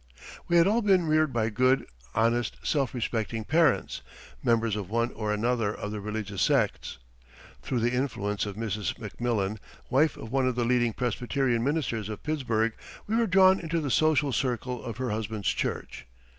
We had all been reared by good, honest, self respecting parents, members of one or another of the religious sects. Through the influence of Mrs. McMillan, wife of one of the leading Presbyterian ministers of Pittsburgh, we were drawn into the social circle of her husband's church.